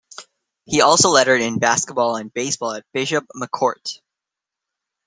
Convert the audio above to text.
He also lettered in basketball and baseball at Bishop McCort.